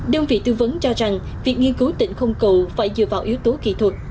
đơn vị tư vấn cho rằng việc nghiên cứu tỉnh không cầu phải dựa vào yếu tố kỹ thuật